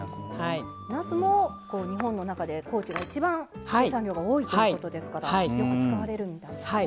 なすも日本の中で高知が一番生産量が多いということですからよく使われるみたいですね。